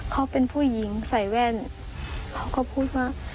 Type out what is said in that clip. เขาเป็นผู้หญิงใส่แว่นเขาก็พูดว่า